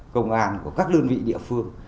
công an của các đơn vị địa phương